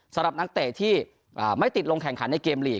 สำหรับนักเตะที่ไม่ติดลงแข่งขันในเกมลีก